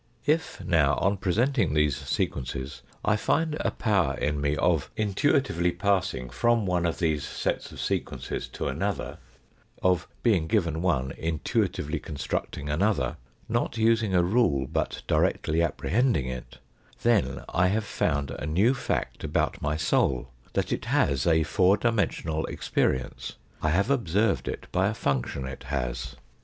If now, on presenting these sequences, I find a power in me of intuitively passing from one of these sets of sequences to another, of, being given one, intuitively constructing another, not using a rule, but directly appre hending it, then I have found a new fact about my soul, that it has a four dimensional experience ; I have observed it by a function it has.